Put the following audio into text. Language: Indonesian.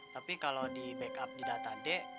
tapi kalau di backup di data d